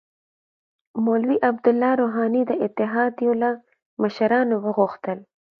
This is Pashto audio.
مولوی عبدالله روحاني د اتحادیو له مشرانو وغوښتل